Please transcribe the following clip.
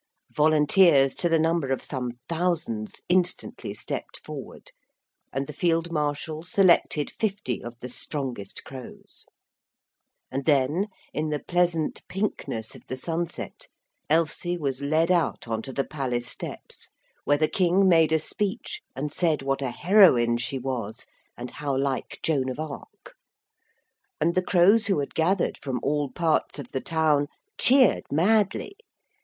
Volunteers, to the number of some thousands, instantly stepped forward, and the Field Marshal selected fifty of the strongest crows. And then, in the pleasant pinkness of the sunset, Elsie was led out on to the palace steps, where the King made a speech and said what a heroine she was, and how like Joan of Arc. And the crows who had gathered from all parts of the town cheered madly.